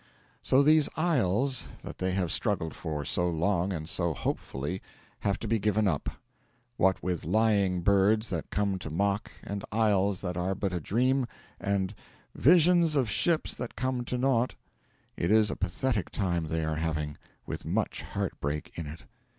So these isles that they have struggled for so long and so hopefully have to be given up. What with lying birds that come to mock, and isles that are but a dream, and 'visions of ships that come to naught,' it is a pathetic time they are having, with much heartbreak in it.